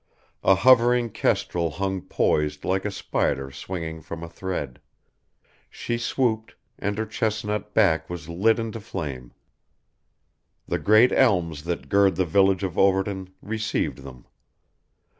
A hovering kestrel hung poised like a spider swinging from a thread. She swooped, and her chestnut back was lit into flame. The great elms that gird the village of Overton received them.